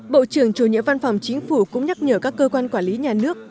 bộ trưởng chủ nhiệm văn phòng chính phủ cũng nhắc nhở các cơ quan quản lý nhà nước